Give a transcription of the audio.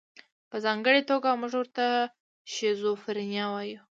په ځانګړې توګه موږ ورته شیزوفرنیا وایو.